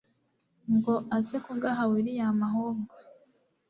ngo aze kugaha william ahubwo…